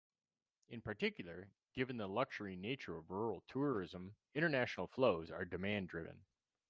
In particular, given the luxury nature of rural tourism, international flows are demand-driven.